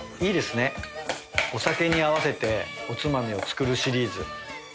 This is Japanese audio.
いいですねお酒に合わせておつまみを作るシリーズ。